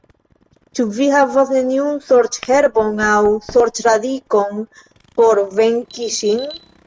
Ĉu vi havas neniun sorĉherbon aŭ sorĉradikon por venki ŝin?